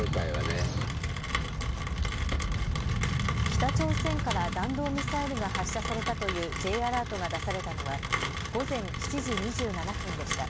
北朝鮮から弾道ミサイルが発射されたというＪアラートが出されたのは午前７時２７分でした。